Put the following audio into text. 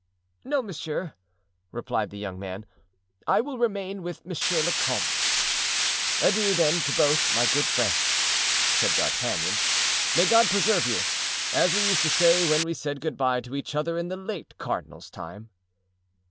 "No, monsieur," replied the young man; "I will remain with monsieur le comte." "Adieu, then, to both, my good friends," said D'Artagnan; "may God preserve you! as we used to say when we said good bye to each other in the late cardinal's time."